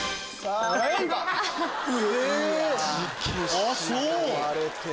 あっそう！